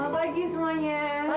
selamat pagi semuanya